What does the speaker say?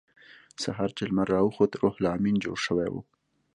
سهار چې لمر راوخوت روح لامین جوړ شوی و